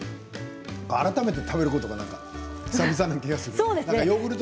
改めて食べることが久々な感じ。